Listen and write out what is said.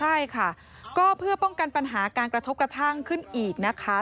ใช่ค่ะก็เพื่อป้องกันปัญหาการกระทบกระทั่งขึ้นอีกนะคะ